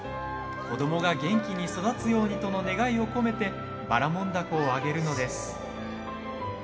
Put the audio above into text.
子どもが元気に育つようにとの願いを込めてばらもん凧をあげるのです。